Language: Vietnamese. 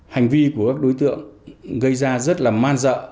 hành vi của các đối tượng gây ra rất là man dợ